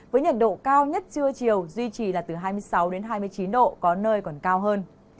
với nhiệt độ cao nhất trưa chiều duy trì là từ hai mươi sáu hai mươi chín độ có nơi còn cao hơn